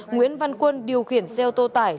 nguyễn văn quân điều khiển xe ô tô tải